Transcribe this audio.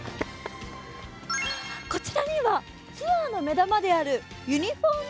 こちらにはツアーの目玉であるユニフォーム